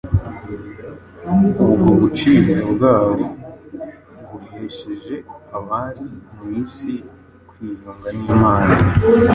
Ubwo gucibwa kwabo guhesheje abari mu isi kwiyunga n’Imana,